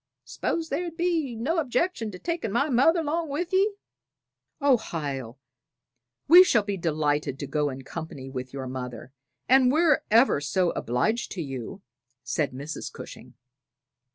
S'pose there'd be no objections to takin' my mother 'long with ye?" "Oh, Hiel, we shall be delighted to go in company with your mother, and we're ever so much obliged to you," said Mrs. Cushing.